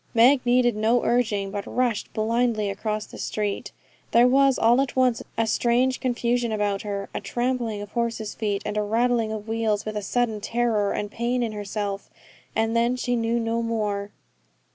Meg needed no urging, but rushed blindly across the street. There was all at once a strange confusion about her, a trampling of horses' feet, and a rattling of wheels, with a sudden terror and pain in herself; and then she knew no more.